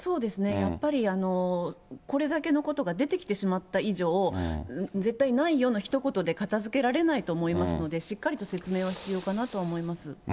やっぱり、これだけのことが出てきてしまった以上、絶対ないよのひと言で片づけられないと思いますので、しっかりと説明は必要かなと思います。